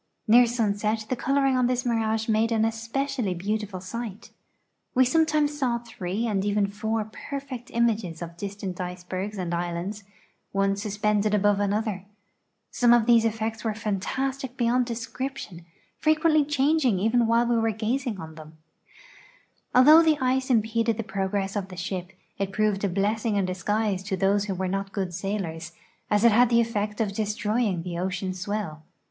Near sunset the coloring on this mirage made an especially beautiful sight. We sometimes saw three and even four perfect images of distant icebergs and islands, one suspended above another. Some of these effects were fantastic beyond A SUMMER VOYACK TO THh: .\l;( TIC 99 ROUTE OF THE " HOPK " AS FAR AS UMANAK, SHOWING M AClNl TIC STATIONS description, frequently changing even while we were gazing on them. Although the ice impeded the j^rogress of the sliip, it ])roved a blessing in disguise to those who were not good sailors, as it had the effect of destroying the ocean swell.